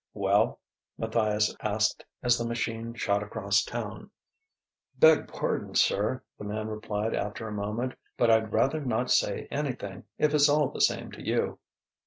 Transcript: "Well?" Matthias asked as the machine shot across town. "Beg pardon, sir," the man replied after a moment "but I'd rather not say anything, if it's all the same to you."